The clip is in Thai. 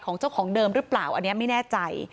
เจ้าของเดิมหรือเปล่าอันนี้ไม่แน่ใจ